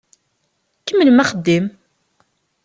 Kemmlem axeddim!